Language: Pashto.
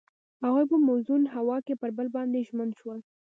هغوی په موزون هوا کې پر بل باندې ژمن شول.